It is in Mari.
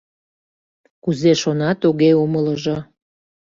Кузе шона — туге умылыжо.